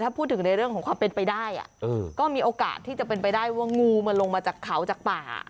ถ้าพูดถึงในเรื่องของความเป็นไปได้ก็มีโอกาสที่จะเป็นไปได้ว่างูมันลงมาจากเขาจากป่า